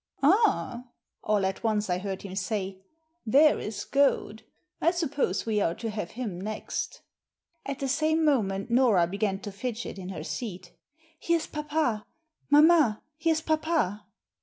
*Ah!" all at once I heard him say, * there is Goad. I suppose we are to have him next" At the same moment Nora began to fidget in her seat " Here's papa. Mamma, here's papa."